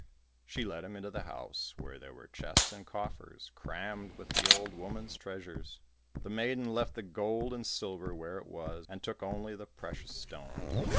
She led him into the house, where there were chests and coffers crammed with the old woman's treasures. The maiden left the gold and silver where it was, and took only the precious stones.